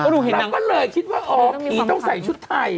เราก็เลยคิดว่าอ๋อผีต้องใส่ชุดไทย